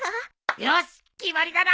よし決まりだな！